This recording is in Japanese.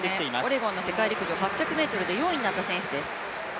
オレゴン世界陸上８００ｍで４位になった選手です。